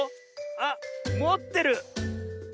あっもってる。